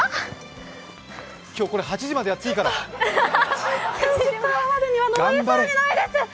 今日、これ８時までやっていいから頑張れ。